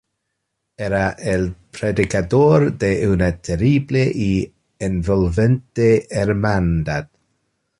Era el predicador de una terrible y envolvente hermandad.